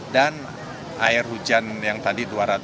dan air hujan yang tadi